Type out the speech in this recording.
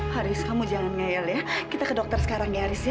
haris kamu jangan ngeel ya kita ke dokter sekarang ya haris ya